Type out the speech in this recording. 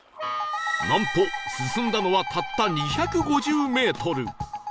なんと進んだのはたった２５０メートル